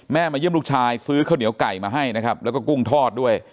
มาเยี่ยมลูกชายซื้อข้าวเหนียวไก่มาให้นะครับแล้วก็กุ้งทอดด้วย